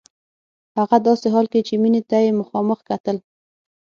هغه داسې حال کې چې مينې ته يې مخامخ کتل.